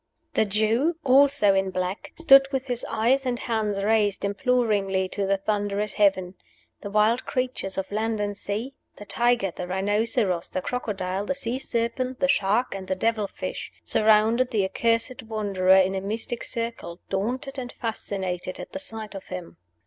The Jew, also a black, stood with his eyes and hands raised imploringly to the thunderous heaven. The wild creatures of land and sea the tiger, the rhinoceros, the crocodile, the sea serpent, the shark, and the devil fish surrounded the accursed Wanderer in a mystic circle, daunted and fascinated at the sight of him.